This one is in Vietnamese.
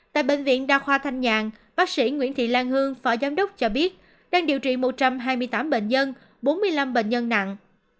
tại bệnh viện đa khoa thanh nhàn bác sĩ nguyễn thị lan hương phó giám đốc cho biết đang điều trị một trăm hai mươi tám bệnh nhân bốn mươi năm bệnh nhân nặng